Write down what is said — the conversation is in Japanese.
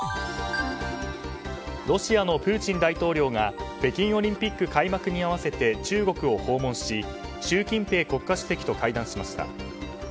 ロシアのプーチン大統領が北京オリンピック開幕に合わせて中国を訪問し、習近平国家主席と会談しました。